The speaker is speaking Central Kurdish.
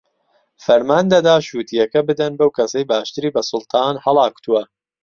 فەرمان دەدا شووتییەکە بدەن بەو کەسەی باشتری بە سوڵتان هەڵاکوتووە